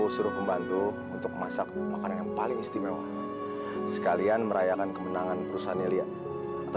sampai jumpa di video selanjutnya